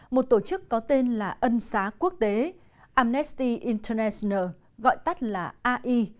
một tổ chức có tên là ân xá quốc tế amnesty international gọi tắt là ai